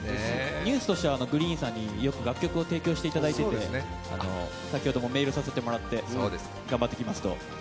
ＮＥＷＳとしてはＧＲｅｅｅｅＮさんによく楽曲を提供していただいていて先ほどもメールさせてもらって頑張ってきますと。